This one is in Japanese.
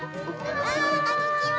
こんにちは。